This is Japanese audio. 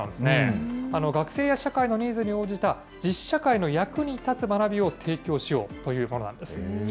学生や社会のニーズに応じた、実社会の役に立つ学びを提供しようというものなんです。